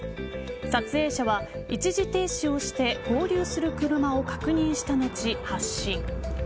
撮影者は一時停止をして合流する車を確認した後、発進。